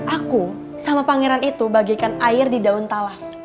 aku sama pangeran itu bagikan air di daun talas